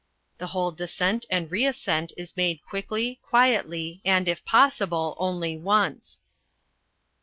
The whole descent and reascent is made quickly, quietly, and, if possible, only once.